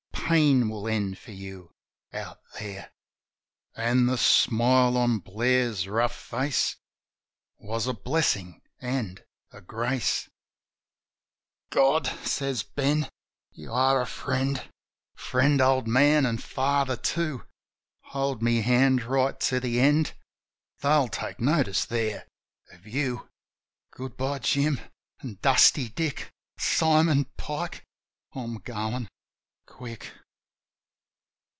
Pain will end for you out There. . An' the smile on Blair's rough face Was a blessin' an' a grace. 80 JIM OF THE HILLS "God !" says Ben, "You are a friend : Friend, old man, an' father too. Hold my hand right to the end — They'll take notice There of you. ... Good bye, Jim, an' Dusty Dick, Simon, Pike. ... I'm goin' — quick."